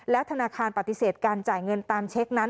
ธนาคารปฏิเสธการจ่ายเงินตามเช็คนั้น